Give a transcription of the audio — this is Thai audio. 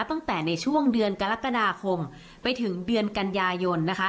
ตั้งแต่ในช่วงเดือนกรกฎาคมไปถึงเดือนกันยายนนะคะ